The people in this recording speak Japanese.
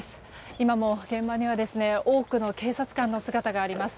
今も現場には多くの警察官の姿があります。